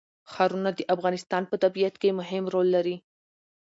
ښارونه د افغانستان په طبیعت کې مهم رول لري.